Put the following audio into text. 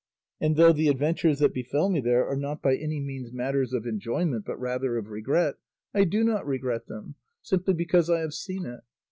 And though the adventures that befell me there are not by any means matters of enjoyment, but rather of regret, I do not regret them, simply because I have seen it.